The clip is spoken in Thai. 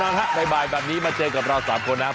แน่นอนครับใบบ่ายแบบนี้มาเจอกับเราสามคนนะครับ